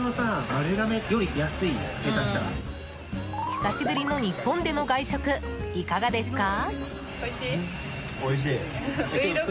久しぶりの日本での外食いかがですか？